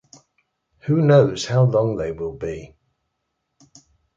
Who knows how long they will be?